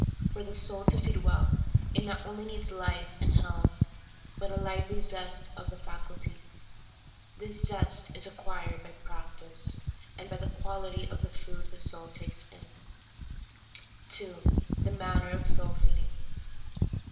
For the soul to feed well, it not only needs life and health, but a lively zest of the faculties. This zest is acquired by practice, and by the quality of food the soul takes in. 2. The manner of soul feeding.